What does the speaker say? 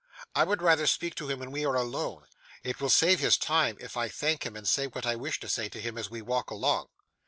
I would rather speak to him when we are alone; it will save his time if I thank him and say what I wish to say to him, as we walk along.